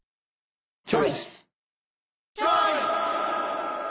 チョイス！